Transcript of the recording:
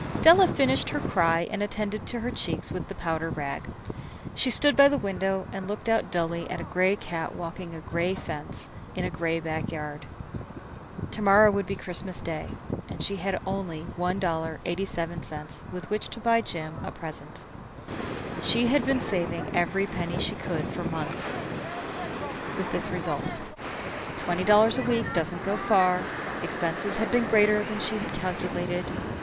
Della finished her cry and attended her cheeks with the powder rag. She stood by the window and looked out dully at a gray cat walking a gray fence in a gray backyard. To morrow would be Christmas Day, and she had only $1.87 with which to buy Jim a present. She had been saving every penny she could for months, with this result. Twenty dollars a week doesn't go far. Expenses had been greater than she had calculated.